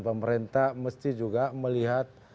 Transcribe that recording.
pemerintah mesti juga melihat